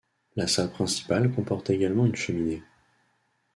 La salle principale comporte également une cheminée.